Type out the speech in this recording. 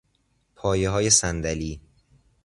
پایههای صندلی